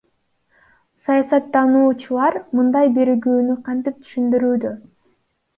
Саясат тануучулар мындай биригүүнү кантип түшүндүрүүдө?